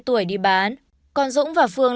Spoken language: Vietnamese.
hai tuổi đi bán còn dũng và phương